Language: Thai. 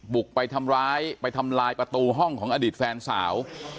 บุกไปทำร้ายไปทำลายประตูห้องของอดีตแฟนสาว